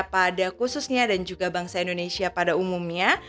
pada khususnya dan juga bangsa indonesia pada umumnya